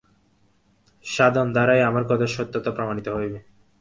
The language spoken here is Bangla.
সাধন দ্বারাই আমার কথার সত্যতা প্রমাণিত হইবে।